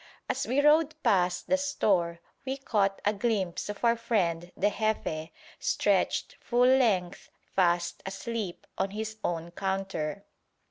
As we rode past the store, we caught a glimpse of our friend the Jefe stretched full length, fast asleep, on his own counter.